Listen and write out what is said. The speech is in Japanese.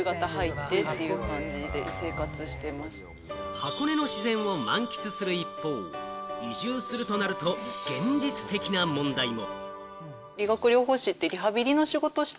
箱根の自然を満喫する一方、移住するとなると、現実的な問題も。